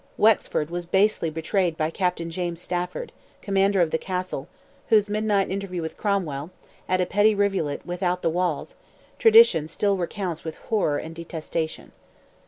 Wexford was basely betrayed by Captain James Stafford, commander of the castle, whose midnight interview with Cromwell, at a petty rivulet without the walls, tradition still recounts with horror and detestation.